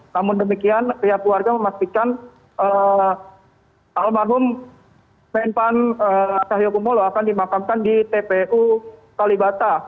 namun demikian pihak keluarga memastikan almarhum menpan cahyokumolo akan dimakamkan di tpu kalibata